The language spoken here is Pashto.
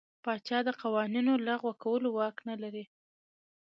پاچا د قوانینو لغوه کولو واک نه لري.